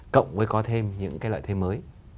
cộng với có thêm những cái lợi thế mới